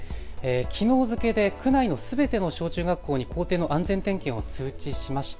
きのう付けで区内のすべての小中学校に校庭の安全点検を通知しました。